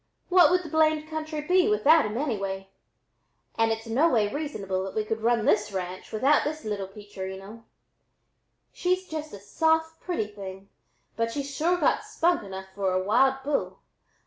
What would the blamed country be without them anyway? an' it's no way reasonable that we could run this ranch without this little peacherino. She's just a soft pretty thing, but she's sure got spunk enough for a wild bull.